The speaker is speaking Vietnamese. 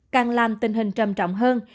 đang làm tình hình trầm trọng hơn